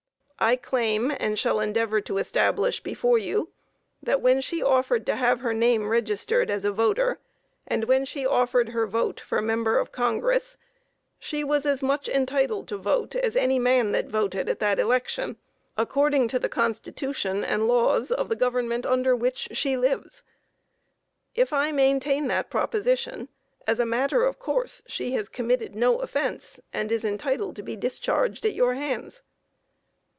I claim and shall endeavor to establish before you that when she offered to have her name registered as a voter, and when she offered her vote for Member of Congress, she was as much entitled to vote as any man that voted at that election, according to the Constitution and laws of the Government under which she lives. If I maintain that proposition, as a matter of course she has committed no offence, and is entitled to be discharged at your hands.